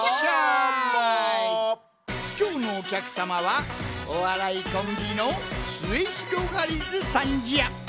きょうのおきゃくさまはおわらいコンビのすゑひろがりずさんじゃ。